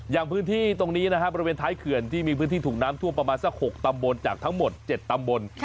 อย่างพื้นที่ตรงนี้นะครับบริเวณท้ายเขื่อนที่มีพื้นที่ถูกน้ำท่วมประมาณสัก๖ตำบลจากทั้งหมด๗ตำบล